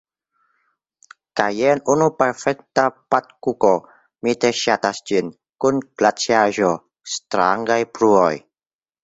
Kaj jen unu perfekta patkuko, mi tre ŝatas ĝin, kun glaciaĵo. strangaj bruoj